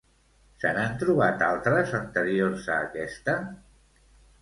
Se n'han trobat altres anteriors a aquesta?